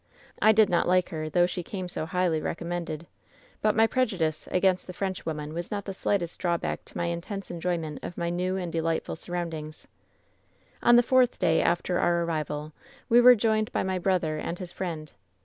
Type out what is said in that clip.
"I did not like her, though she came so highly recom mended. But my prejudice against the Frenchwoman was not the slightest drawback to my intense enjoyment of my new and delightful surroundings. "On the fourth day after our arrival we were joined by my brother and his friend.